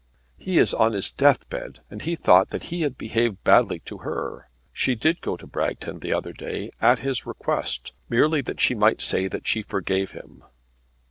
"He is on his death bed, and he thought that he had behaved badly to her. She did go to Bragton the other day, at his request, merely that she might say that she forgave him."